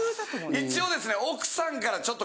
一応ですね。